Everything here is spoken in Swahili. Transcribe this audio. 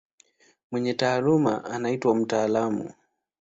Mwenye taaluma anaitwa mtaalamu.